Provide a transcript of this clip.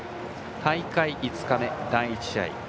大会５日目、第１試合。